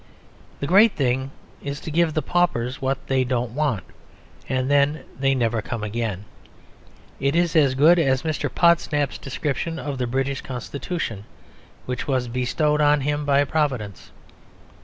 The great thing is to give the paupers what they don't want, and then they never come again." It is as good as Mr. Podsnap's description of the British Constitution, which was bestowed on him by Providence.